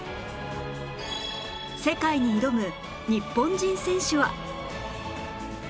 世界に挑む日本人選手は